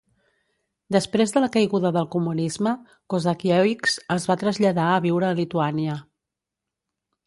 Després de la caiguda del comunisme, Kozakiewicz es va traslladar a viure a Lituània.